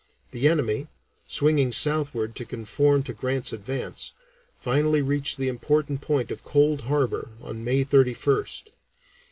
The enemy, swinging southward to conform to Grant's advance, finally reached the important point of Cold Harbor on May 31st.